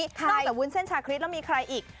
นอกจากวุ้นเส้นชาคริสแล้วมีใครอีก